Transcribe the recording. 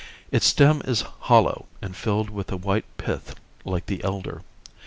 Its stem is hollow and filled with a white pith like the elder.